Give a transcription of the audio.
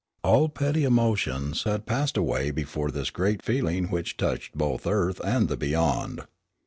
All petty emotions had passed away before this great feeling which touched both earth and the beyond.